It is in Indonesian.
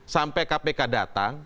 sampai kpk datang